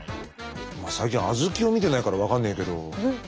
最近あずきを見てないから分かんねえけど。